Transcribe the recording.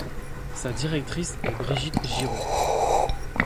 Sa directrice est Brigitte Giraud.